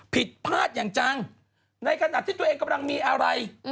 ผิดพลาดอย่างจังในขณะที่ตัวเองกำลังมีอะไร